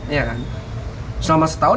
iya kan selama setahun